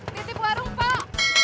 ketik warung pak